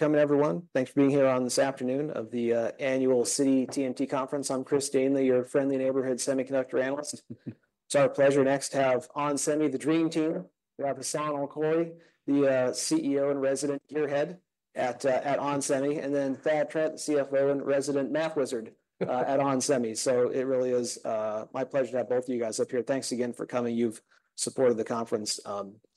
Thanks for coming, everyone. Thanks for being here on this afternoon of the annual Citi TMT Conference. I'm Chris Danely, your friendly neighborhood Semiconductor Analyst. It's our pleasure next to have onsemi, the dream team. We have Hassane El-Khoury, the CEO and resident gearhead at onsemi, and then Thad Trent, CFO and resident math wizard at onsemi. So it really is my pleasure to have both of you guys up here. Thanks again for coming. You've supported the conference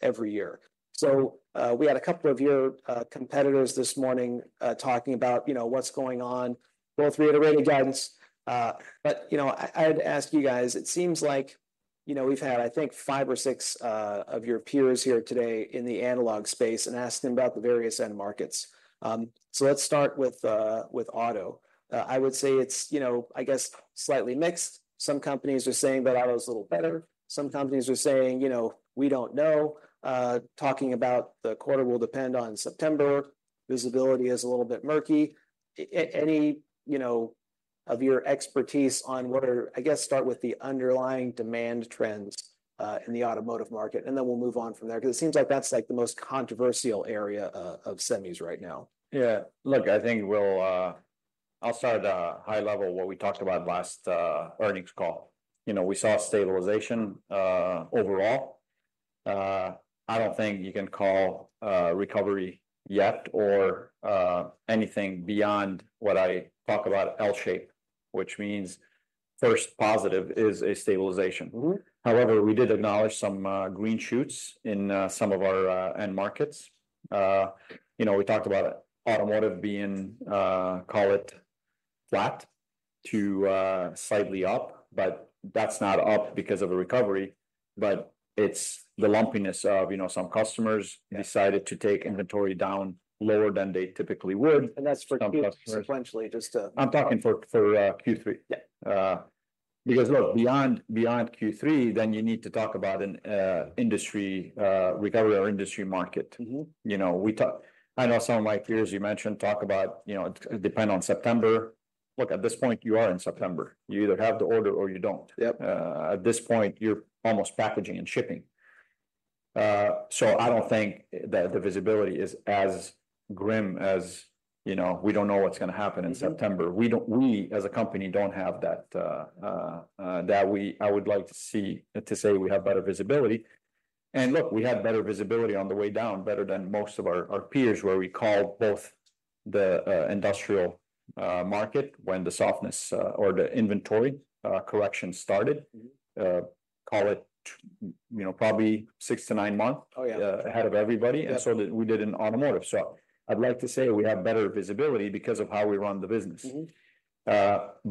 every year. So we had a couple of your competitors this morning talking about, you know, what's going on, both reiterating guidance. But, you know, I, I'd ask you guys, it seems like, you know, we've had, I think, five or six, of your peers here today in the analog space and asked them about the various end markets. So let's start with, with auto. I would say it's, you know, I guess, slightly mixed. Some companies are saying that auto's a little better. Some companies are saying, "You know, we don't know," talking about the quarter will depend on September. Visibility is a little bit murky. Any, you know, of your expertise on what are... I guess start with the underlying demand trends, in the automotive market, and then we'll move on from there, 'cause it seems like that's, like, the most controversial area, of semis right now. Yeah. Look, I think we'll, I'll start at a high level what we talked about last earnings call. You know, we saw stabilization, overall. I don't think you can call, recovery yet or, anything beyond what I talk about L-shape, which means first positive is a stabilization. Mm-hmm. However, we did acknowledge some green shoots in some of our end markets. You know, we talked about automotive being call it flat to slightly up, but that's not up because of a recovery, but it's the lumpiness of you know some customers- Yeah... decided to take inventory down lower than they typically would. And that's for Q- Um, sequentially- - sequentially, just, uh- I'm talking for Q3. Yeah. Because, look, beyond Q3, then you need to talk about an industry recovery or industry market. Mm-hmm. You know, I know some of my peers you mentioned talk about, you know, it depends on September. Look, at this point, you are in September. You either have the order or you don't. Yep. At this point, you're almost packaging and shipping. So I don't think that the visibility is as grim as, you know, we don't know what's gonna happen in September. Mm-hmm. We as a company don't have that, I would like to say we have better visibility. Look, we had better visibility on the way down, better than most of our peers, where we called both the industrial market, when the softness or the inventory correction started. Mm-hmm... call it, you know, probably six to nine month- Oh, yeah... ahead of everybody- Yep... and so did we in automotive. So I'd like to say we have better visibility because of how we run the business. Mm-hmm.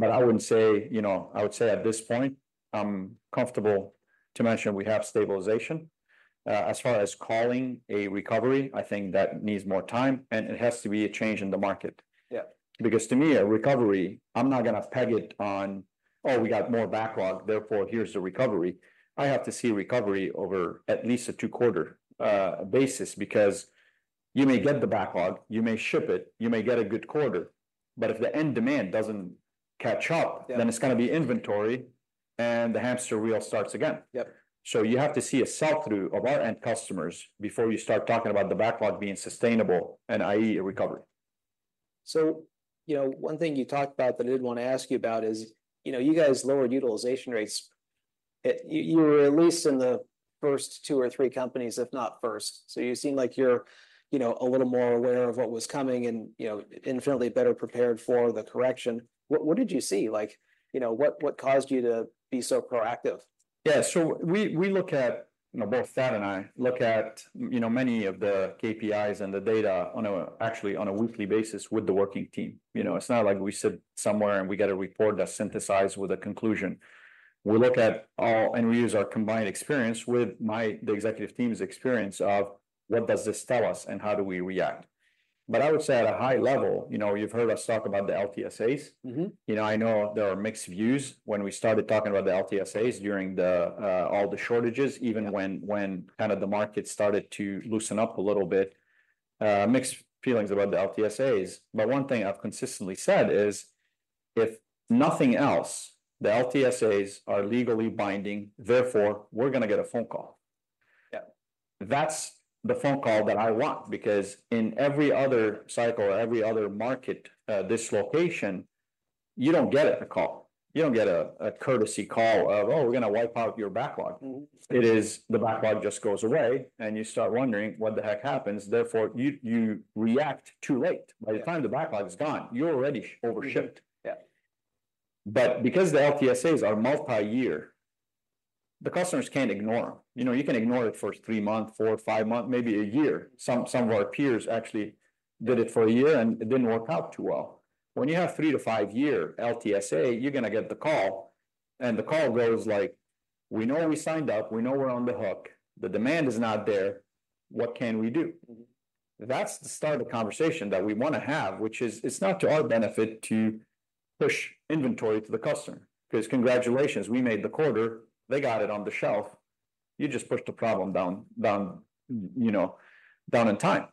But I wouldn't say, you know, I would say at this point, I'm comfortable to mention we have stabilization. As far as calling a recovery, I think that needs more time, and it has to be a change in the market. Yeah. Because to me, a recovery, I'm not gonna peg it on, "Oh, we got more backlog, therefore, here's the recovery." I have to see recovery over at least a two quarter basis, because you may get the backlog, you may ship it, you may get a good quarter, but if the end demand doesn't catch up- Yeah... then it's gonna be inventory, and the hamster wheel starts again. Yep. So you have to see a sell-through of our end customers before you start talking about the backlog being sustainable, and i.e., a recovery. You know, one thing you talked about that I did want to ask you about is, you know, you guys lowered utilization rates. You were at least in the first two or three companies, if not first. You seem like you're, you know, a little more aware of what was coming and, you know, infinitely better prepared for the correction. What did you see? Like, you know, what caused you to be so proactive? Yeah. So we look at... You know, both Thad and I look at, you know, many of the KPIs and the data actually, on a weekly basis with the working team. You know, it's not like we sit somewhere, and we get a report that's synthesized with a conclusion. We look at all, and we use our combined experience with the executive team's experience of, what does this tell us, and how do we react? But I would say at a high level, you know, you've heard us talk about the LTSAs. Mm-hmm. You know, I know there are mixed views. When we started talking about the LTSAs during the, all the shortages, even when kind of the market started to loosen up a little bit, mixed feelings about the LTSAs. But one thing I've consistently said is, if nothing else, the LTSAs are legally binding, therefore, we're gonna get a phone call. Yeah. That's the phone call that I want because in every other cycle or every other market dislocation, you don't get a call. You don't get a courtesy call of, "Oh, we're gonna wipe out your backlog. Mm-hmm. It is, the backlog just goes away, and you start wondering, "What the heck happens?" Therefore, you react too late. Yeah. By the time the backlog is gone, you're already over-shipped. Mm-hmm. Yeah. But because the LTSAs are multi-year, the customers can't ignore them. You know, you can ignore it for three month, four, five month, maybe a year. Some of our peers actually did it for a year, and it didn't work out too well. When you have three- to five-year LTSA, you're gonna get the call, and the call goes like: "We know we signed up. We know we're on the hook. The demand is not there. What can we do? Mm-hmm. That's the start of the conversation that we wanna have, which is it's not to our benefit to push inventory to the customer. 'Cause congratulations, we made the quarter. They got it on the shelf. You just pushed the problem down, down, you know, down in time.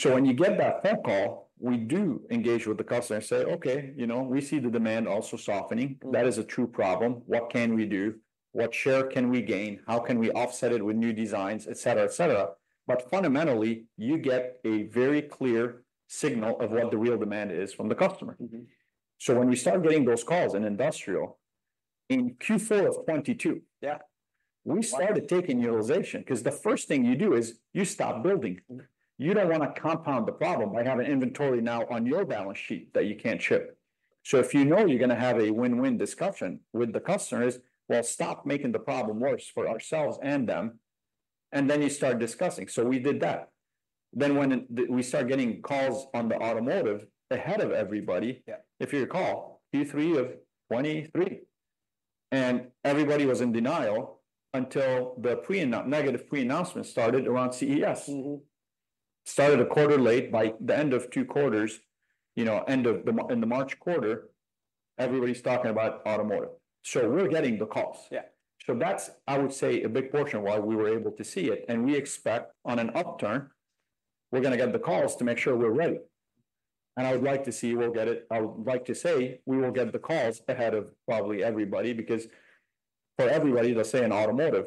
So when you get that phone call, we do engage with the customer and say: "Okay, you know, we see the demand also softening. Mm. That is a true problem. What can we do? What share can we gain? How can we offset it with new designs?" Et cetera, et cetera. But fundamentally, you get a very clear signal of what the real demand is from the customer. Mm-hmm.... So when you start getting those calls in industrial, in Q4 of 2022- Yeah We started taking utilization, 'cause the first thing you do is you stop building. You don't wanna compound the problem by having inventory now on your balance sheet that you can't ship. So if you know you're gonna have a win-win discussion with the customers, well, stop making the problem worse for ourselves and them, and then you start discussing. So we did that. Then when the, we started getting calls on the automotive ahead of everybody. Yeah... if you recall, Q3 of 2023, and everybody was in denial until the negative pre-announcement started around CES. Mm-hmm. Started a quarter late. By the end of two quarters, you know, end of the month in the March quarter, everybody's talking about automotive, so we're getting the calls. Yeah. So that's, I would say, a big portion why we were able to see it, and we expect on an upturn, we're gonna get the calls to make sure we're ready. I would like to say we will get the calls ahead of probably everybody, because for everybody, let's say in automotive,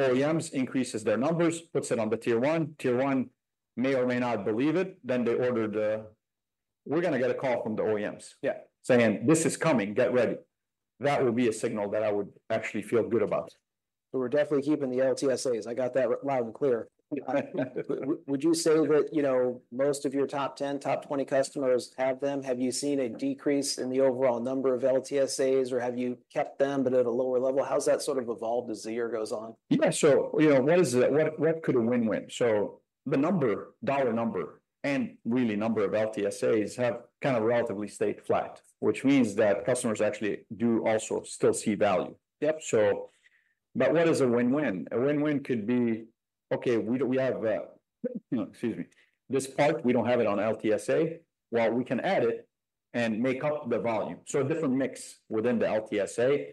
OEMs increases their numbers, puts it on the Tier 1. Tier 1 may or may not believe it. Then they order the... We're gonna get a call from the OEMs- Yeah... saying, "This is coming, get ready." That would be a signal that I would actually feel good about. So we're definitely keeping the LTSAs. I got that loud and clear. Would you say that, you know, most of your top 10, top 20 customers have them? Have you seen a decrease in the overall number of LTSAs, or have you kept them, but at a lower level? How has that sort of evolved as the year goes on? Yeah, so, you know, what is it? What, what could a win-win? So the number, dollar number, and really number of LTSAs have kind of relatively stayed flat, which means that customers actually do also still see value. Yep. So, but what is a win-win? A win-win could be, okay, we have this part, we don't have it on LTSA. Well, we can add it and make up the volume, so a different mix within the LTSA.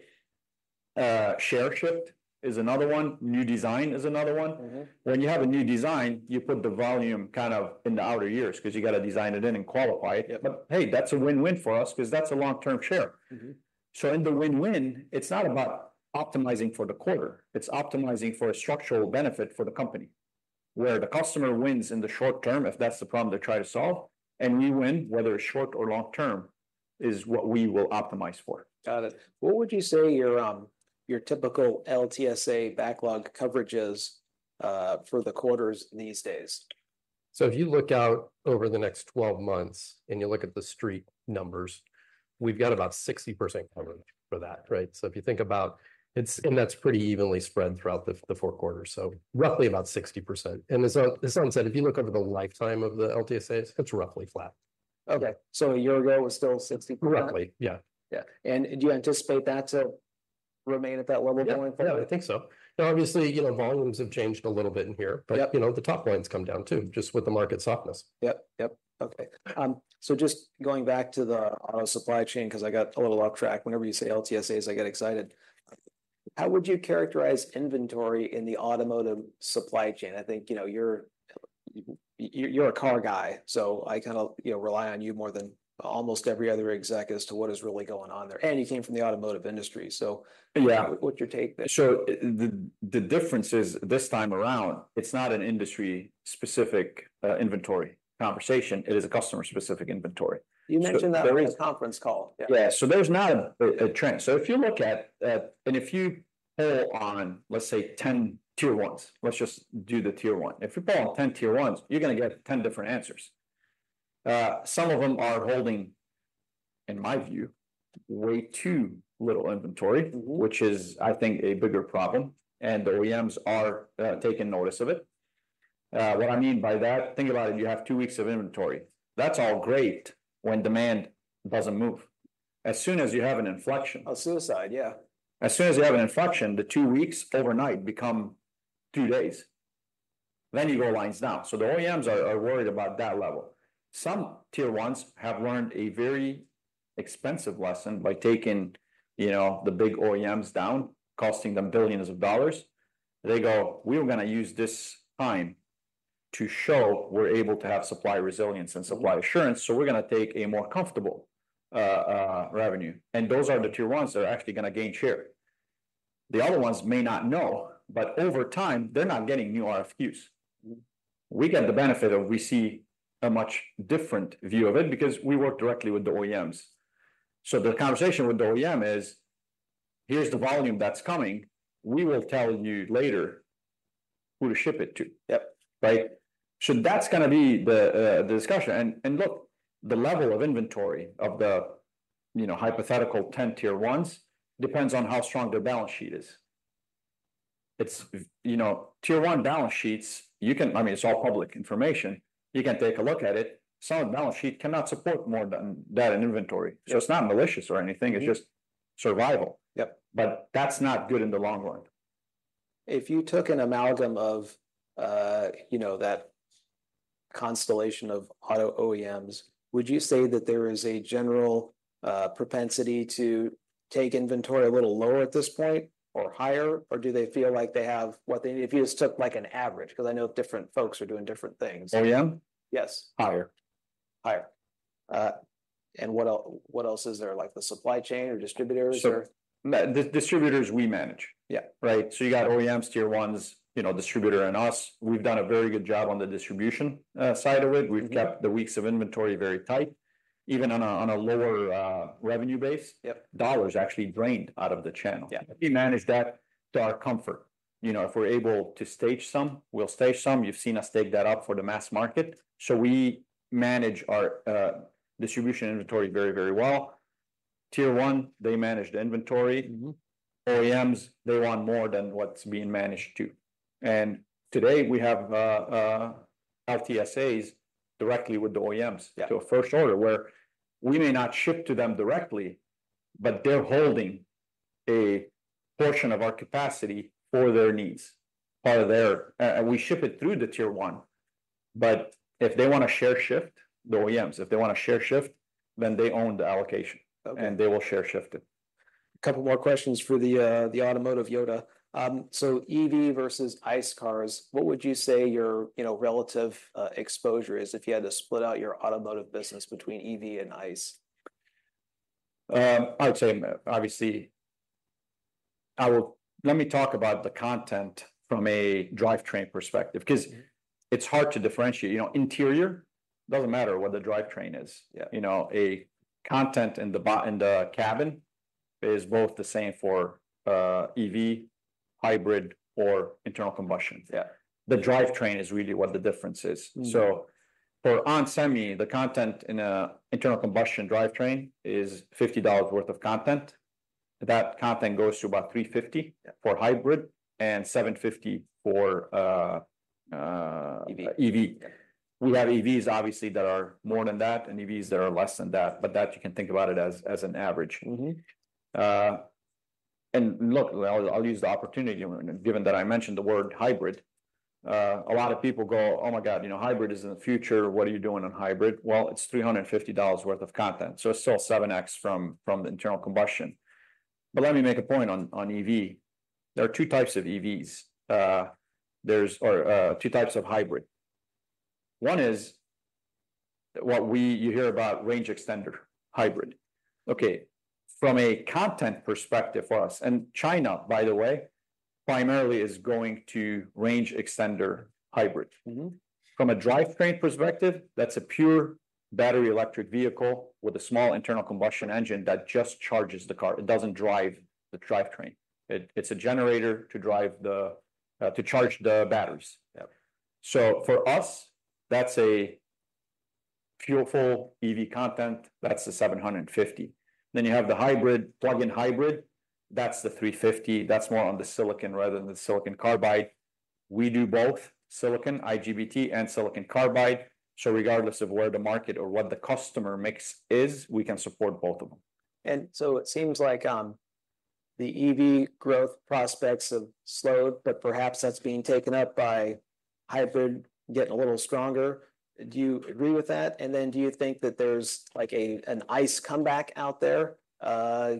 Share shift is another one. New design is another one. Mm-hmm. When you have a new design, you put the volume kind of in the outer years, 'cause you gotta design it in and qualify it. Yeah. But hey, that's a win-win for us, 'cause that's a long-term share. Mm-hmm. So in the win-win, it's not about optimizing for the quarter, it's optimizing for a structural benefit for the company, where the customer wins in the short term, if that's the problem they're trying to solve, and we win, whether it's short or long term, is what we will optimize for. Got it. What would you say your typical LTSA backlog coverage is for the quarters these days? So if you look out over the next 12 months, and you look at the street numbers, we've got about 60% coverage for that, right? So if you think about it, and that's pretty evenly spread throughout the four quarters, so roughly about 60%. And as Hassane said, if you look over the lifetime of the LTSAs, it's roughly flat. Okay. So a year ago, it was still 60%? Correctly. Yeah. Yeah, and do you anticipate that to remain at that level going forward? Yeah, yeah, I think so. Now, obviously, you know, volumes have changed a little bit in here. Yep. But, you know, the top line's come down too, just with the market softness. Yep, yep. Okay. So just going back to the auto supply chain, 'cause I get a little off track. Whenever you say LTSAs, I get excited. How would you characterize inventory in the automotive supply chain? I think, you know, you're a car guy, so I kind of, you know, rely on you more than almost every other exec as to what is really going on there. And you came from the automotive industry, so- Yeah... what's your take there? So the difference is, this time around, it's not an industry-specific inventory conversation, it is a customer-specific inventory. You mentioned that- There is-... in the conference call. Yeah. Yeah. So there's not a trend. So if you look at and if you pull on, let's say, 10 Tier 1s, let's just do the Tier 1. If you pull on 10 Tier 1s, you're gonna get 10 different answers. Some of them are holding, in my view, way too little inventory. Mm-hmm... which is, I think, a bigger problem, and the OEMs are taking notice of it. What I mean by that, think about it, you have two weeks of inventory. That's all great when demand doesn't move. As soon as you have an inflection- A suicide, yeah. As soon as you have an inflection, the two weeks overnight become two days, then your go line's down. So the OEMs are worried about that level. Some Tier 1s have learned a very expensive lesson by taking, you know, the big OEMs down, costing them billions of dollars. They go, "We are gonna use this time to show we're able to have supply resilience and supply- Mm... assurance, so we're gonna take a more comfortable revenue." And those are the Tier 1s that are actually gonna gain share. The other ones may not know, but over time, they're not getting new RFQs. Mm. We get the benefit of we see a much different view of it, because we work directly with the OEMs. So the conversation with the OEM is, "Here's the volume that's coming. We will tell you later who to ship it to. Yep. Right? So that's gonna be the the discussion. And look, the level of inventory of the, you know, hypothetical ten Tier 1s, depends on how strong their balance sheet is. It's, you know, Tier 1 balance sheets, I mean, it's all public information. You can take a look at it. Some balance sheet cannot support more than that in inventory. Yeah. So it's not malicious or anything- Mm... it's just survival. Yep. But that's not good in the long run. If you took an amalgam of, you know, that constellation of auto OEMs, would you say that there is a general, propensity to take inventory a little lower at this point or higher? Or do they feel like they have what they need, if you just took, like, an average, 'cause I know different folks are doing different things. OEM? Yes. Higher. Higher. And what else is there? Like the supply chain or distributors, or- So the distributors, we manage. Yeah. Right? So you got OEMs, Tier 1s, you know, distributor, and us. We've done a very good job on the distribution, side of it. Mm-hmm. We've kept the weeks of inventory very tight.... even on a lower revenue base- Yep Dollars actually drained out of the channel. Yeah. We manage that to our comfort. You know, if we're able to stage some, we'll stage some. You've seen us stage that up for the mass market, so we manage our distribution inventory very, very well. Tier 1, they manage the inventory. Mm-hmm. OEMs, they want more than what's being managed, too. And today, we have LTSAs directly with the OEMs- Yeah... so first order, where we may not ship to them directly, but they're holding a portion of our capacity for their needs, part of their-- and we ship it through the Tier 1. But if they wanna share shift, the OEMs, if they wanna share shift, then they own the allocation- Okay... and they will share shift it. A couple more questions for the automotive Yoda. So EV versus ICE cars, what would you say your, you know, relative exposure is if you had to split out your automotive business between EV and ICE? I'd say, obviously, our-- Let me talk about the content from a drivetrain perspective. Mm... 'cause it's hard to differentiate. You know, interior, doesn't matter what the drivetrain is. Yeah. You know, the content in the cabin is both the same for EV, hybrid, or internal combustion. Yeah. The drivetrain is really what the difference is. Mm. For onsemi, the content in an internal combustion drivetrain is $50 worth of content. That content goes to about $350- Yeah... for hybrid and $750 for EV... EV. We have EVs, obviously, that are more than that and EVs that are less than that, but that you can think about it as, as an average. Mm-hmm. And look, I'll use the opportunity, given that I mentioned the word hybrid. A lot of people go, "Oh, my God, you know, hybrid is in the future. What are you doing on hybrid?" Well, it's $350 worth of content, so it's still 7x from the internal combustion. But let me make a point on EV. There are two types of EVs or two types of hybrid. One is what you hear about range extender hybrid. Okay, from a content perspective for us, and China, by the way, primarily is going to range extender hybrid. Mm-hmm. From a drivetrain perspective, that's a pure battery electric vehicle with a small internal combustion engine that just charges the car. It doesn't drive the drivetrain. It's a generator to charge the batteries. Yep. So for us, that's a full EV content. That's the $750. Then you have the hybrid, plug-in hybrid, that's the $350. That's more on the silicon rather than the silicon carbide. We do both silicon, IGBT, and silicon carbide, so regardless of where the market or what the customer mix is, we can support both of them. And so it seems like, the EV growth prospects have slowed, but perhaps that's being taken up by hybrid getting a little stronger. Do you agree with that? And then do you think that there's, like, an ICE comeback out there,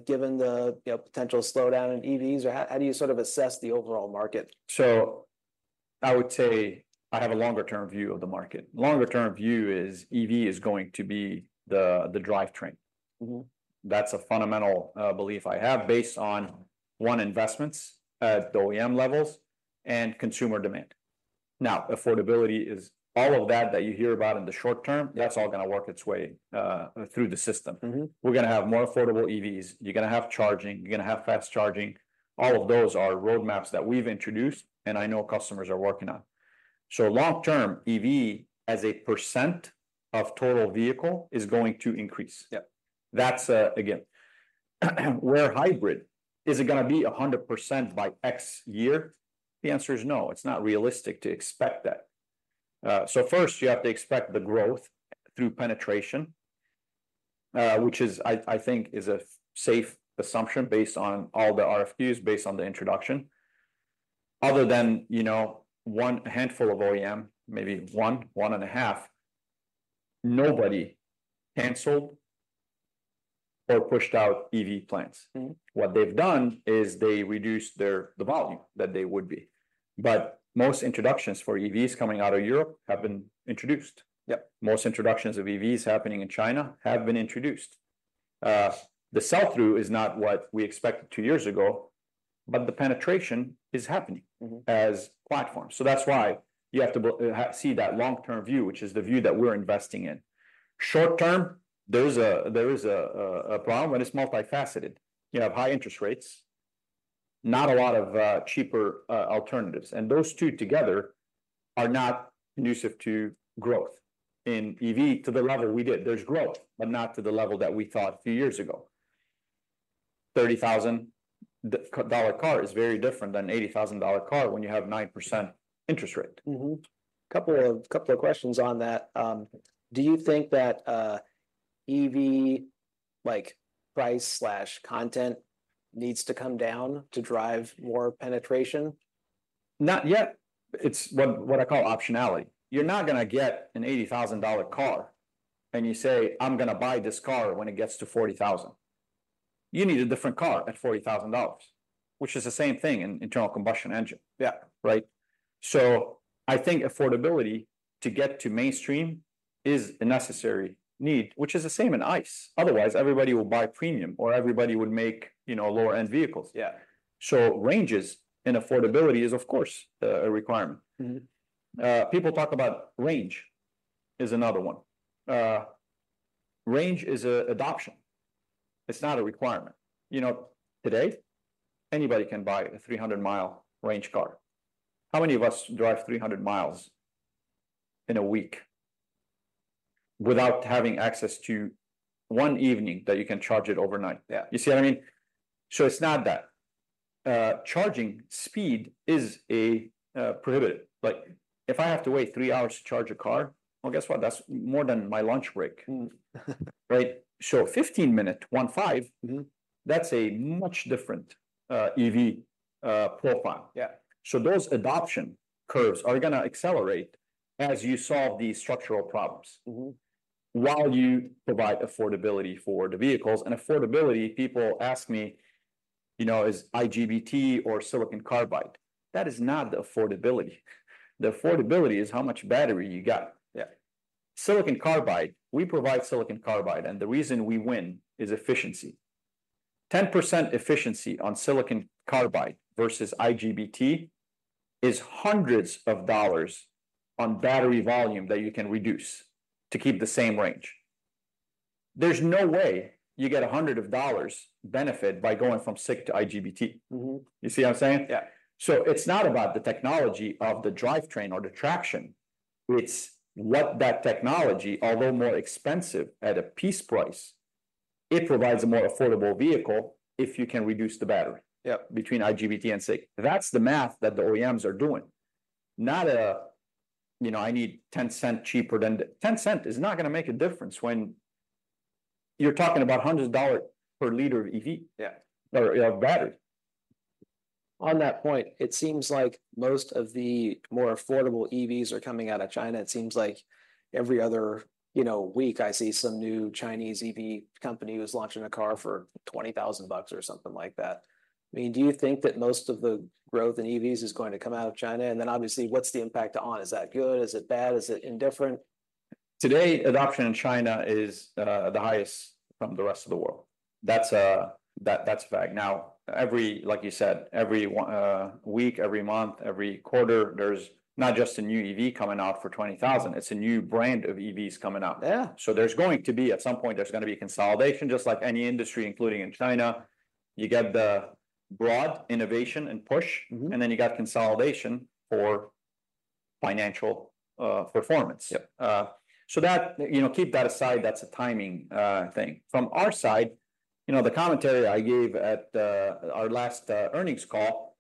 given the, you know, potential slowdown in EVs? Or how do you sort of assess the overall market? I would say I have a longer-term view of the market. Longer-term view is EV is going to be the drivetrain. Mm-hmm. That's a fundamental belief I have based on, one, investments at the OEM levels and consumer demand. Now, affordability is all of that you hear about in the short term- Yep... that's all gonna work its way through the system. Mm-hmm. We're gonna have more affordable EVs. You're gonna have charging. You're gonna have fast charging. All of those are roadmaps that we've introduced and I know customers are working on. So long term, EV, as a percent of total vehicle, is going to increase. Yep. That's, again, where hybrid, is it gonna be 100% by X year? The answer is no. It's not realistic to expect that. So first, you have to expect the growth through penetration, which is, I think, is a safe assumption based on all the RFQs, based on the introduction. Other than, you know, one handful of OEM, maybe one and a half, nobody canceled or pushed out EV plans. Mm. What they've done is they reduced the volume that they would be. But most introductions for EVs coming out of Europe have been introduced. Yep. Most introductions of EVs happening in China have been introduced. The sell-through is not what we expected two years ago, but the penetration is happening- Mm-hmm... as platforms. So that's why you have to but have to see that long-term view, which is the view that we're investing in. Short term, there is a problem, and it's multifaceted. You have high interest rates, not a lot of cheaper alternatives, and those two together are not conducive to growth in EV to the level we did. There's growth, but not to the level that we thought a few years ago. $30,000 car is very different than $80,000 car when you have 9% interest rate. Mm-hmm. Couple of, couple of questions on that. Do you think that, EV, like, price/content needs to come down to drive more penetration? Not yet. It's what, what I call optionality. You're not gonna get an $80,000 car, and you say, "I'm gonna buy this car when it gets to forty thousand." You need a different car at $40,000, which is the same thing in internal combustion engine. Yeah. Right? So I think affordability to get to mainstream is a necessary need, which is the same in ICE. Otherwise, everybody will buy premium, or everybody would make, you know, lower-end vehicles. Yeah. Ranges and affordability is, of course, a requirement. Mm-hmm.... People talk about range is another one. Range is an adoption, it's not a requirement. You know, today, anybody can buy a 300-mile range car. How many of us drive 300 miles in a week without having access to one evening that you can charge it overnight? Yeah. You see what I mean? So it's not that. Charging speed is a prohibitive. Like, if I have to wait three hours to charge a car, well, guess what? That's more than my lunch break. Mm. Right? So a 15-minute, one, five- Mm-hmm... That's a much different EV profile. Yeah. So those adoption curves are gonna accelerate as you solve these structural problems- Mm-hmm ... while you provide affordability for the vehicles. And affordability, people ask me, you know, "Is IGBT or silicon carbide?" That is not the affordability. The affordability is how much battery you got. Yeah. Silicon carbide, we provide silicon carbide, and the reason we win is efficiency. 10% efficiency on silicon carbide versus IGBT is hundreds of dollars on battery volume that you can reduce to keep the same range. There's no way you get a hundred dollars benefit by going from SiC to IGBT. Mm-hmm. You see what I'm saying? Yeah. So it's not about the technology of the drivetrain or the traction, it's what that technology, although more expensive at a piece price, it provides a more affordable vehicle if you can reduce the battery... Yeah... between IGBT and SiC. That's the math that the OEMs are doing. Not a, you know, I need $0.10 cheaper than the-- $0.10 is not gonna make a difference when you're talking about hundreds of dollars per liter of EV- Yeah... or, you know, battery. On that point, it seems like most of the more affordable EVs are coming out of China. It seems like every other, you know, week I see some new Chinese EV company who's launching a car for $20,000 or something like that. I mean, do you think that most of the growth in EVs is going to come out of China? And then, obviously, what's the impact to ON? Is that good? Is it bad? Is it indifferent? Today, adoption in China is the highest from the rest of the world. That's a fact. Now, like you said, every week, every month, every quarter, there's not just a new EV coming out for $20,000, it's a new brand of EVs coming out. Yeah. So there's going to be, at some point there's gonna be consolidation, just like any industry, including in China. You get the broad innovation and push- Mm-hmm... and then you got consolidation for financial, performance. Yeah. So that, you know, keep that aside, that's a timing thing. From our side, you know, the commentary I gave at our last earnings call,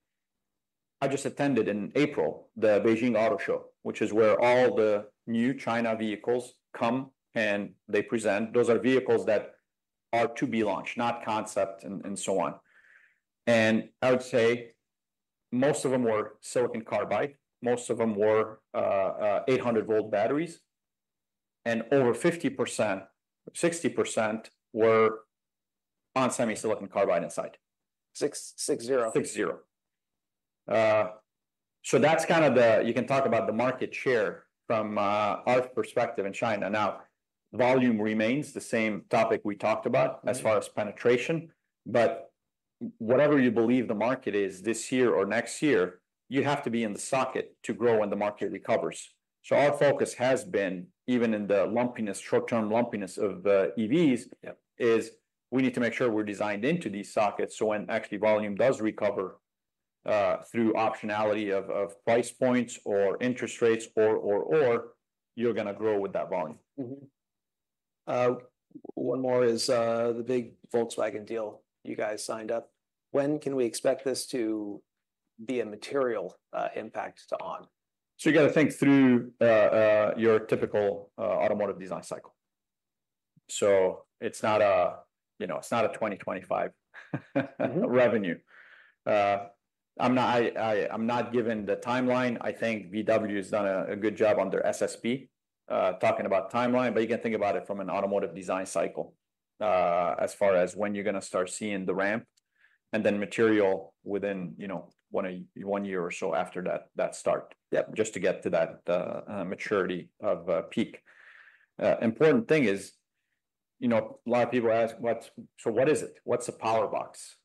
I just attended in April the Beijing Auto Show, which is where all the new China vehicles come and they present. Those are vehicles that are to be launched, not concept, and so on. I would say most of them were silicon carbide, most of them were 800-volt batteries, and over 50%-60% were onsemi silicon carbide inside. Six, six, zero? Six, zero. So that's kind of the, you can talk about the market share from our perspective in China. Now, volume remains the same topic we talked about. Mm... as far as penetration, but whatever you believe the market is this year or next year, you have to be in the socket to grow when the market recovers. So our focus has been, even in the lumpiness, short-term lumpiness of, EVs- Yeah... is we need to make sure we're designed into these sockets, so when actually volume does recover through optionality of price points or interest rates or you're gonna grow with that volume. One more is, the big Volkswagen deal you guys signed up. When can we expect this to be a material impact to ON? So you gotta think through your typical automotive design cycle. So it's not a, you know, it's not a 2025 revenue. Mm-hmm. I'm not given the timeline. I think VW has done a good job on their SSP talking about timeline. But you can think about it from an automotive design cycle as far as when you're gonna start seeing the ramp, and then material within, you know, one year or so after that, that start- Yeah... just to get to that, maturity of, peak. Important thing is, you know, a lot of people ask: "What's So what is it? What's a power box?"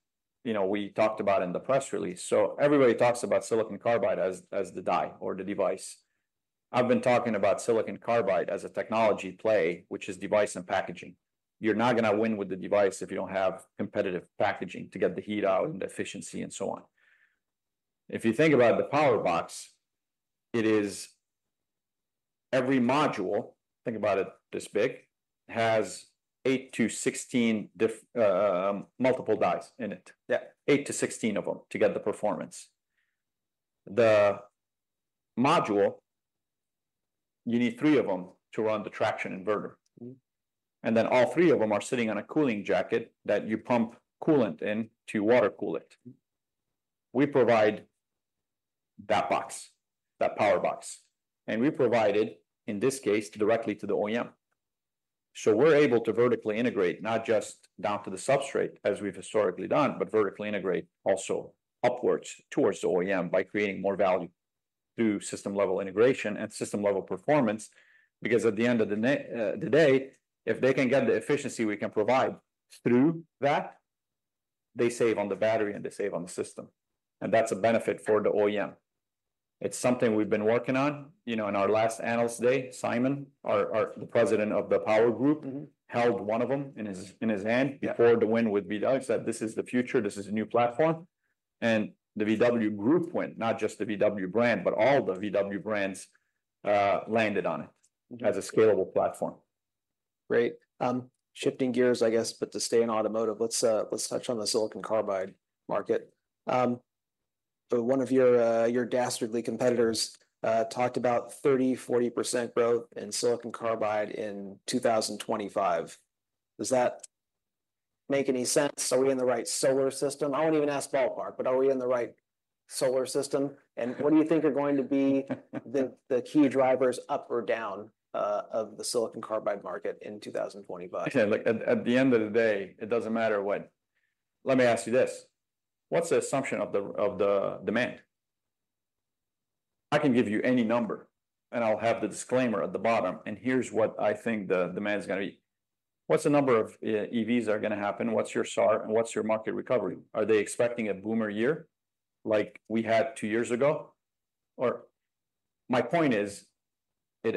You know, we talked about in the press release. So everybody talks about silicon carbide as, as the die or the device. I've been talking about silicon carbide as a technology play, which is device and packaging. You're not gonna win with the device if you don't have competitive packaging to get the heat out and the efficiency, and so on. If you think about the power box, it is every module, think about it this big, has eight to 16 multiple dies in it. Yeah. Eight to 16 of them to get the performance. The module, you need three of them to run the traction inverter. Mm. Then all three of them are sitting on a cooling jacket that you pump coolant in to water-cool it. Mm. We provide that box, that power box, and we provide it, in this case, directly to the OEM. So we're able to vertically integrate, not just down to the substrate as we've historically done, but vertically integrate also upwards, towards the OEM, by creating more value through system-level integration and system-level performance. Because at the end of the day, if they can get the efficiency we can provide through that, they save on the battery, and they save on the system, and that's a benefit for the OEM. It's something we've been working on. You know, in our last Analyst Day, Simon, our, the President of the Power Group- Mm-hmm. -held one of them in his hand- Yeah... before the win with VW and said, "This is the future. This is a new platform." And the VW Group win, not just the VW brand, but all the VW brands, landed on it as a scalable platform. Great. Shifting gears, I guess, but to stay in automotive, let's touch on the silicon carbide market. So one of your dastardly competitors talked about 30%-40% growth in silicon carbide in 2025. Does that make any sense? Are we in the right solar system? I won't even ask ballpark, but are we in the right solar system? And what do you think are going to be the key drivers up or down of the silicon carbide market in 2025? Okay, look, at the end of the day, it doesn't matter what. Let me ask you this: What's the assumption of the demand? I can give you any number, and I'll have the disclaimer at the bottom, "And here's what I think the demand's gonna be." What's the number of EVs are gonna happen? What's your start, and what's your market recovery? Are they expecting a boomer year like we had two years ago? Or, my point is, it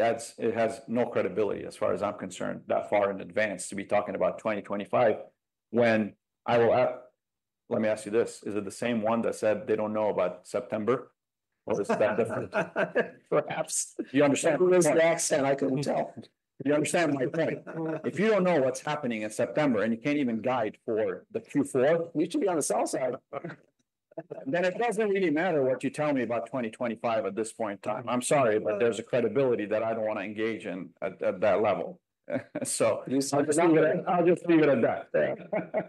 has no credibility, as far as I'm concerned, that far in advance to be talking about 2025, when I will. Let me ask you this: Is it the same one that said they don't know about September? Or is it that different? Perhaps. Do you understand my point? Who is the accent? I couldn't tell. Do you understand my point? If you don't know what's happening in September, and you can't even guide for the Q4- You should be on the sell side.... then it doesn't really matter what you tell me about 2025 at this point in time. I'm sorry, but there's a credibility that I don't want to engage in at that level. So- You see- I'll just leave it, I'll just leave it at that. Yeah.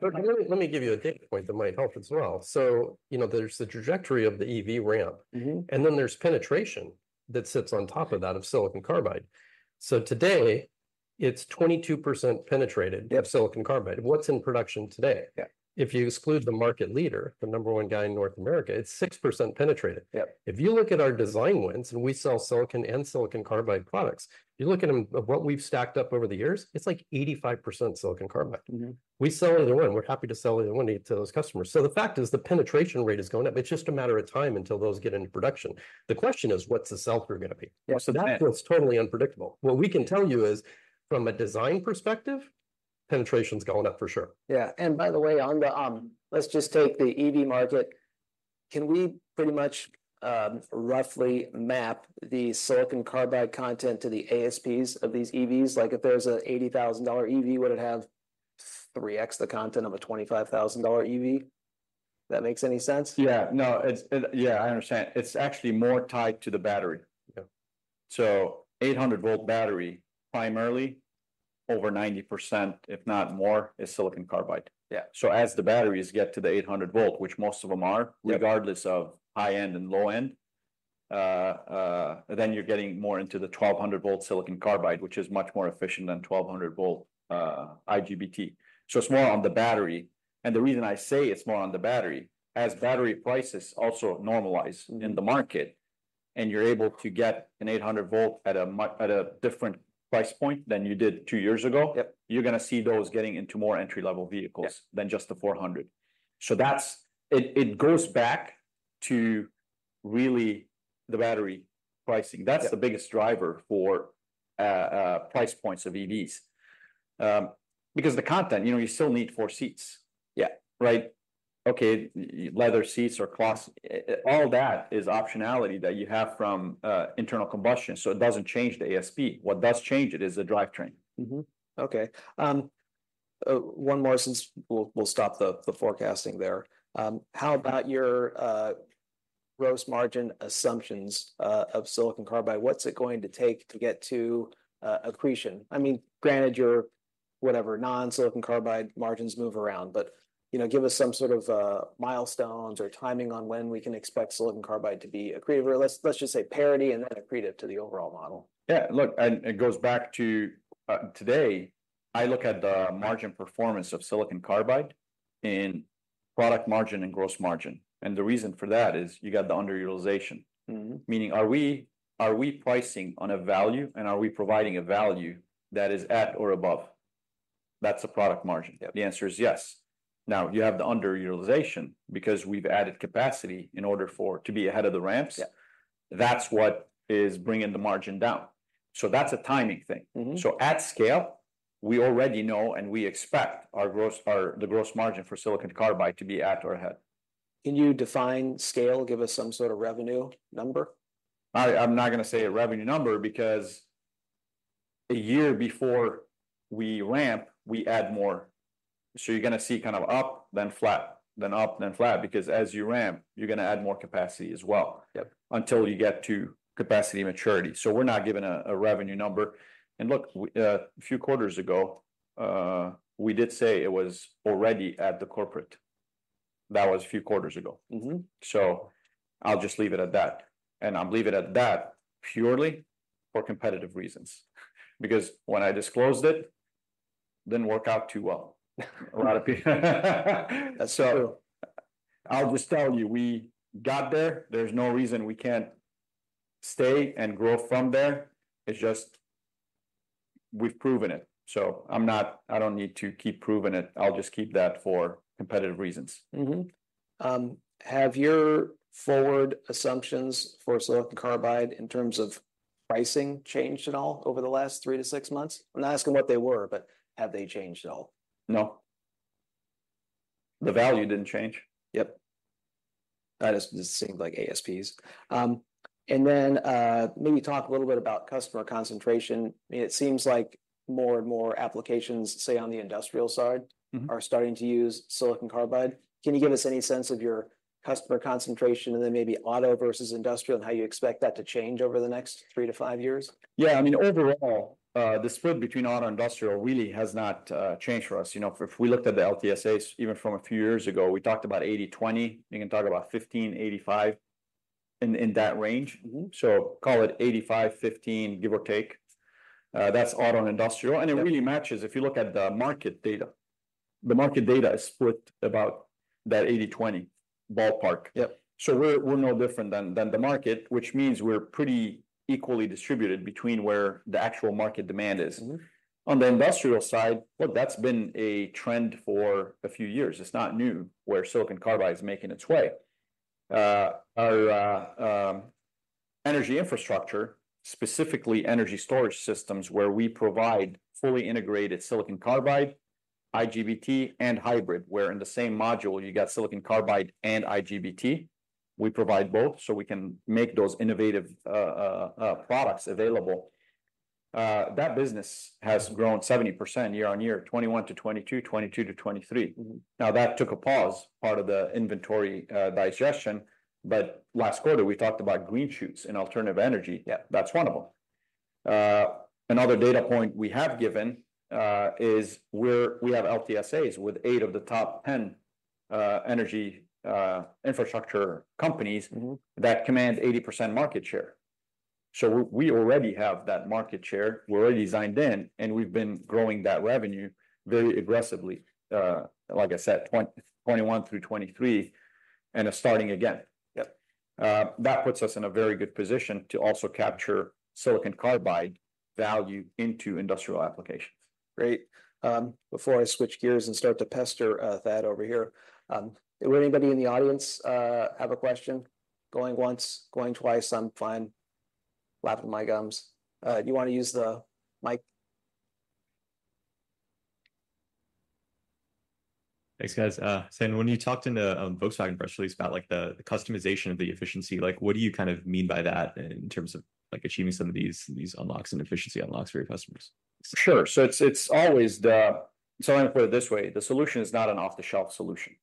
But let me give you a data point that might help as well. So, you know, there's the trajectory of the EV ramp- Mm-hmm. And then there's penetration that sits on top of that, of silicon carbide So today, it's 22% penetrated. Yep... of silicon carbide. What's in production today? Yeah. If you exclude the market leader, the number one guy in North America, it's 6% penetrated. Yep. If you look at our design wins, and we sell silicon and silicon carbide products, you look at them, at what we've stacked up over the years, it's like 85% silicon carbide. Mm-hmm. We sell either one. We're happy to sell either one to those customers. So the fact is, the penetration rate is going up. It's just a matter of time until those get into production. The question is, what's the sell-through gonna be? Yeah, so that- That's totally unpredictable. What we can tell you is, from a design perspective, penetration's going up for sure. Yeah, and by the way, on the, let's just take the EV market. Can we pretty much, roughly map the silicon carbide content to the ASPs of these EVs? Like, if there's an $80,000 EV, would it have 3X the content of a $25,000 EV? That makes any sense? Yeah, no, it's... Yeah, I understand. It's actually more tied to the battery. Yeah. 800-volt battery, primarily over 90%, if not more, is silicon carbide. Yeah. So as the batteries get to the 800-volt, which most of them are- Yep... regardless of high end and low end, then you're getting more into the 1200 volt silicon carbide, which is much more efficient than 1200 volt IGBT. So it's more on the battery, and the reason I say it's more on the battery, as battery prices also normalize- Mm... in the market, and you're able to get an 800-volt at a different price point than you did two years ago- Yep... you're gonna see those getting into more entry-level vehicles- Yep... than just the 400. So that's it. It goes back to really the battery pricing. Yeah. That's the biggest driver for price points of EVs. Because the content, you know, you still need four seats. Yeah. Right? Okay, leather seats or cloth, all that is optionality that you have from internal combustion, so it doesn't change the ASP. What does change it is the drivetrain. Mm-hmm. Okay, one more, since we'll stop the forecasting there. How about your gross margin assumptions of silicon carbide? What's it going to take to get to accretion? I mean, granted, your whatever, non-silicon carbide margins move around, but you know, give us some sort of milestones or timing on when we can expect silicon carbide to be accretive, or let's just say parity, and then accretive to the overall model. Yeah, look, and it goes back to today. I look at the margin performance of silicon carbide in product margin and gross margin, and the reason for that is you got the underutilization. Mm-hmm. Meaning, are we, are we pricing on a value, and are we providing a value that is at or above? That's the product margin. Yep. The answer is yes. Now, you have the underutilization, because we've added capacity in order to be ahead of the ramps. Yeah. That's what is bringing the margin down. So that's a timing thing. Mm-hmm. At scale, we already know, and we expect our gross, the gross margin for silicon carbide to be at or ahead. Can you define scale? Give us some sort of revenue number. I'm not gonna say a revenue number, because a year before we ramp, we add more. So you're gonna see kind of up, then flat, then up, then flat, because as you ramp, you're gonna add more capacity as well- Yep... until you get to capacity maturity. So we're not giving a revenue number. And look, a few quarters ago, we did say it was already at the corporate. That was a few quarters ago. Mm-hmm. So I'll just leave it at that, and I'll leave it at that purely for competitive reasons, because when I disclosed it, it didn't work out too well. A lot of pe- True. I'll just tell you, we got there. There's no reason we can't stay and grow from there. It's just we've proven it, so I don't need to keep proving it. I'll just keep that for competitive reasons. Mm-hmm. Have your forward assumptions for silicon carbide in terms of pricing changed at all over the last three to six months? I'm not asking what they were, but have they changed at all? No. The value didn't change. Yep. That is, just seemed like ASPs. And then, maybe talk a little bit about customer concentration. It seems like more and more applications, say, on the industrial side- Mm-hmm Are starting to use silicon carbide. Can you give us any sense of your customer concentration, and then maybe auto versus industrial, and how you expect that to change over the next three to five years? Yeah, I mean, overall, the split between auto and industrial really has not changed for us. You know, if we looked at the LTSAs, even from a few years ago, we talked about eighty/twenty. You can talk about 15/85, in that range. Mm-hmm. So call it 85/15, give or take. That's auto and industrial- Yep... and it really matches if you look at the market data. The market data is split about that 80/20 ballpark. Yep. We're no different than the market, which means we're pretty equally distributed between where the actual market demand is. Mm-hmm. On the industrial side, well, that's been a trend for a few years. It's not new, where silicon carbide is making its way. Our energy infrastructure, specifically energy storage systems, where we provide fully integrated silicon carbide, IGBT, and hybrid, where in the same module you get silicon carbide and IGBT, we provide both, so we can make those innovative products available. That business has grown 70% year on year, 2021 to 2022, 2022 to 2023. Mm-hmm. Now, that took a pause, part of the inventory digestion, but last quarter we talked about green shoots in alternative energy. Yep. That's one of them. Another data point we have given is where we have LTSAs with eight of the top 10 energy infrastructure companies- Mm-hmm... that command 80% market share. So we already have that market share. We're already designed in, and we've been growing that revenue very aggressively. Like I said, 2021 through 2023, and are starting again. Yep. That puts us in a very good position to also capture silicon carbide value into industrial applications. Great. Before I switch gears and start to pester Thad over here, would anybody in the audience have a question? Going once, going twice, I'm fine. Laugh at my gums. Do you want to use the mic? Thanks, guys. Hassane, when you talked in the Volkswagen press release about, like, the customization of the efficiency, like, what do you kind of mean by that in terms of, like, achieving some of these unlocks and efficiency unlocks for your customers? Sure. So it's always the... So I'm gonna put it this way, the solution is not an off-the-shelf solution,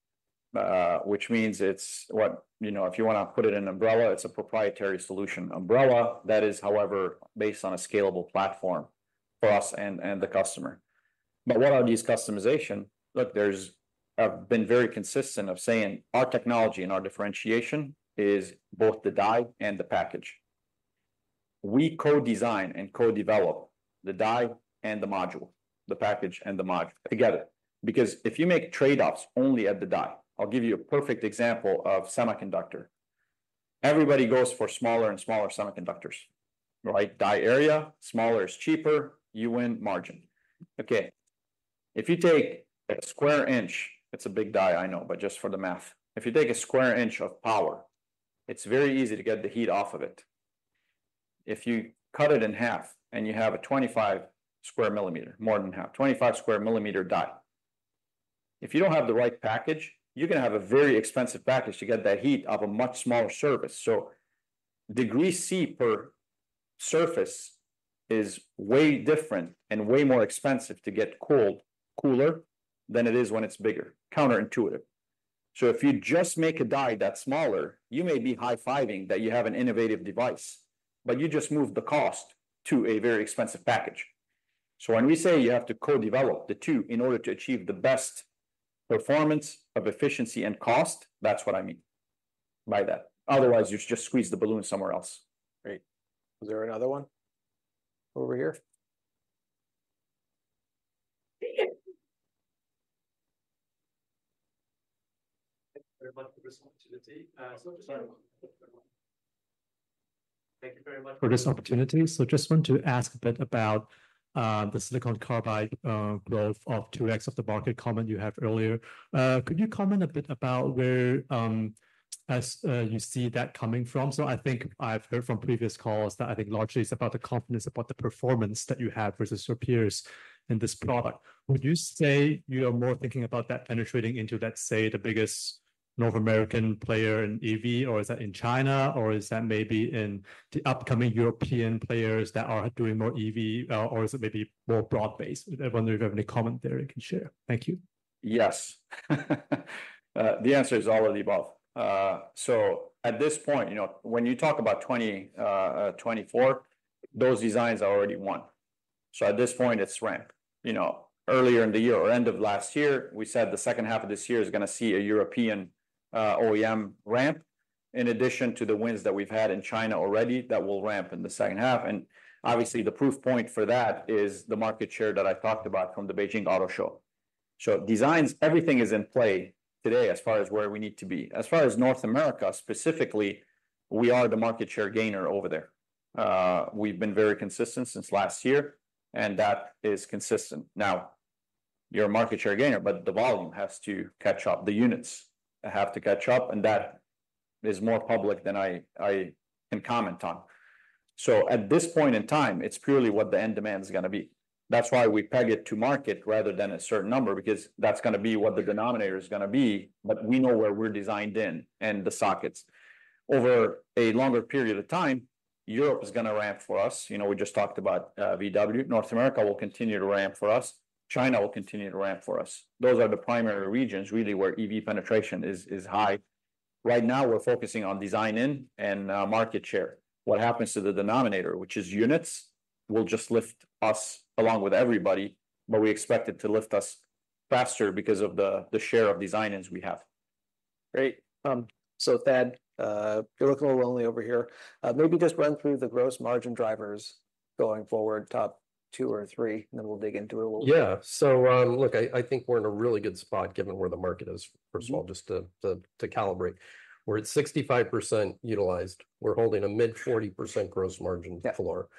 which means it's what, you know, if you wanna put it in an umbrella, it's a proprietary solution umbrella that is, however, based on a scalable platform for us and the customer. But what are these customization? Look, I've been very consistent of saying our technology and our differentiation is both the die and the package. We co-design and co-develop the die and the module, the package and the module together. Because if you make trade-offs only at the die, I'll give you a perfect example of semiconductor. Everybody goes for smaller and smaller semiconductors, right? Die area, smaller is cheaper, you win margin. Okay, if you take a square inch, it's a big die, I know, but just for the math, if you take a square inch of power, it's very easy to get the heat off of it. If you cut it in half and you have a 25 square millimeter, more than half, 25 square millimeter die, if you don't have the right package, you're gonna have a very expensive package to get that heat off a much smaller surface. So degrees Celsius per surface is way different and way more expensive to get cold, cooler than it is when it's bigger. Counterintuitive. So if you just make a die that's smaller, you may be high-fiving that you have an innovative device, but you just moved the cost to a very expensive package. So when we say you have to co-develop the two in order to achieve the best performance of efficiency and cost, that's what I mean by that. Otherwise, you just squeeze the balloon somewhere else. Great. Is there another one over here? Thank you very much for this opportunity. So just want to ask a bit about the silicon carbide growth of 2x of the market comment you have earlier. Could you comment a bit about where you see that coming from? So I think I've heard from previous calls that I think largely it's about the confidence about the performance that you have versus your peers in this product. Would you say you are more thinking about that penetrating into, let's say, the biggest North American player in EV, or is that in China, or is that maybe in the upcoming European players that are doing more EV, or is it maybe more broad-based? I wonder if you have any comment there you can share. Thank you. Yes. The answer is all of the above. So at this point, you know, when you talk about 2024, those designs are already won. So at this point, it's ramp. You know, earlier in the year or end of last year, we said the second half of this year is gonna see a European OEM ramp, in addition to the wins that we've had in China already, that will ramp in the second half. And obviously, the proof point for that is the market share that I've talked about from the Beijing Auto Show. So designs, everything is in play today as far as where we need to be. As far as North America, specifically, we are the market share gainer over there. We've been very consistent since last year, and that is consistent. Now, you're a market share gainer, but the volume has to catch up. The units have to catch up, and that is more public than I can comment on. So at this point in time, it's purely what the end demand is gonna be. That's why we peg it to market rather than a certain number, because that's gonna be what the denominator is gonna be, but we know where we're designed in and the sockets. Over a longer period of time, Europe is gonna ramp for us. You know, we just talked about VW. North America will continue to ramp for us. China will continue to ramp for us. Those are the primary regions, really, where EV penetration is high. Right now, we're focusing on design-in and market share. What happens to the denominator, which is units, will just lift us along with everybody, but we expect it to lift us faster because of the share of design-ins we have. Great. So Thad, you're looking a little lonely over here. Maybe just run through the gross margin drivers going forward, top two or three, and then we'll dig into it a little. Yeah. So, look, I think we're in a really good spot, given where the market is, first of all, just to calibrate. We're at 65% utilized. We're holding a mid-40% gross margin floor. Yeah.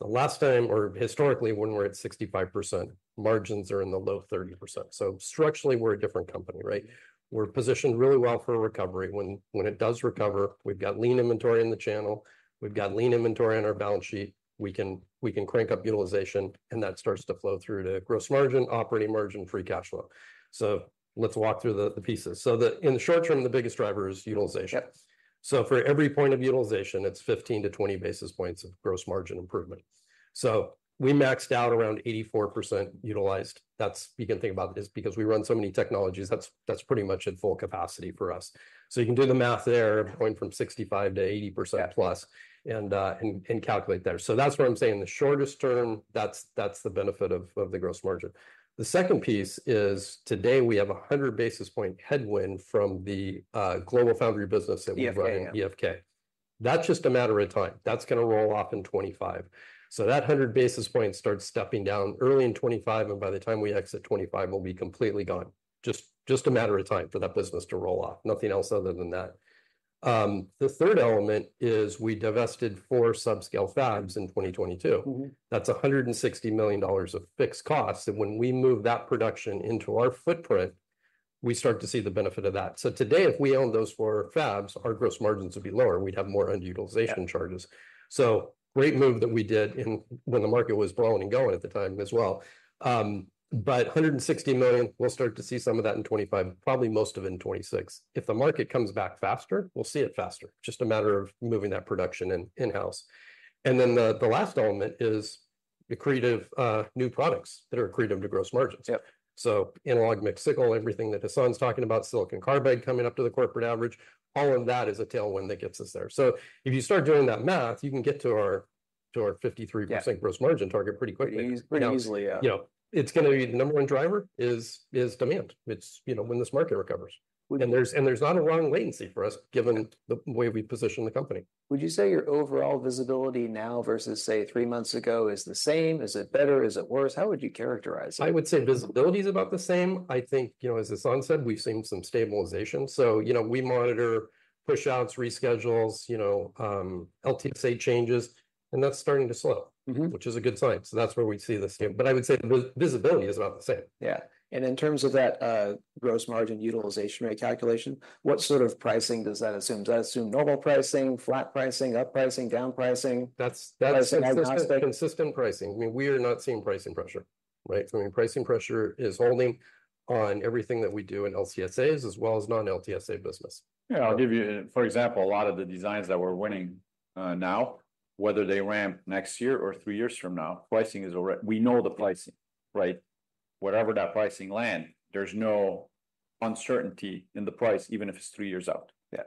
The last time, or historically, when we're at 65%, margins are in the low 30%. So structurally, we're a different company, right? We're positioned really well for a recovery. When it does recover, we've got lean inventory in the channel. We've got lean inventory on our balance sheet. We can crank up utilization, and that starts to flow through to gross margin, operating margin, free cash flow. So let's walk through the pieces. So in the short term, the biggest driver is utilization. Yeah. So for every point of utilization, it's 15-20 basis points of gross margin improvement. So we maxed out around 84% utilized. That's you can think about it, is because we run so many technologies, that's pretty much at full capacity for us. So you can do the math there, going from 65%-80%+ - Yeah ... and calculate there. That's what I'm saying. The shortest term, that's the benefit of the gross margin. The second piece is, today, we have a 100 basis point headwind from the GlobalFoundries business that we run- EFK... EFK. That's just a matter of time. That's gonna roll off in 2025. So that 100 basis points starts stepping down early in 2025, and by the time we exit 2025, will be completely gone. Just, just a matter of time for that business to roll off. Nothing else other than that. The third element is we divested four subscale fabs in 2022. Mm-hmm. That's $160 million of fixed costs, and when we move that production into our footprint, we start to see the benefit of that. So today, if we own those four fabs, our gross margins would be lower. We'd have more under-utilization charges. Yeah. So great move that we did in, when the market was blowing and going at the time as well. But $160 million, we'll start to see some of that in 2025, probably most of it in 2026. If the market comes back faster, we'll see it faster. Just a matter of moving that production in-house. And then the last element is accretive new products that are accretive to gross margins. Yeah. So analog, mixed signal, everything that Hassane's talking about, silicon carbide coming up to the corporate average, all of that is a tailwind that gets us there. So if you start doing that math, you can get to our 53%- Yeah... gross margin target pretty quickly. Pretty easily, yeah. You know, it's gonna be the number one driver is demand. It's, you know, when this market recovers. W- There's not a long latency for us, given the way we position the company. Would you say your overall visibility now, versus, say, three months ago, is the same? Is it better? Is it worse? How would you characterize it? I would say visibility is about the same. I think, you know, as Hassane said, we've seen some stabilization, so you know, we monitor push-outs, reschedules, you know, LTSA changes, and that's starting to slow- Mm-hmm... which is a good sign. So that's where we see the same, but I would say with visibility is about the same. Yeah. And in terms of that, gross margin utilization rate calculation, what sort of pricing does that assume? Does that assume normal pricing, flat pricing, up pricing, down pricing? That's, that's- Price agnostic?... consistent pricing. I mean, we are not seeing pricing pressure, right? I mean, pricing pressure is only on everything that we do in LTSAs, as well as non-LTSA business. Yeah, I'll give you, for example, a lot of the designs that we're winning now, whether they ramp next year or three years from now, pricing is we know the pricing, right? Whatever that pricing land, there's no uncertainty in the price, even if it's three years out. Yeah.